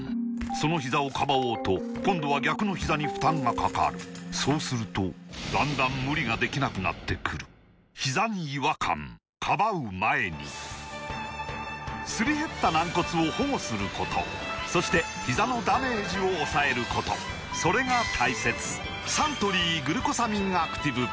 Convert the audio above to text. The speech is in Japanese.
そのひざをかばおうと今度は逆のひざに負担がかかるそうするとだんだん無理ができなくなってくるすり減った軟骨を保護することそしてひざのダメージを抑えることそれが大切サントリー「グルコサミンアクティブ」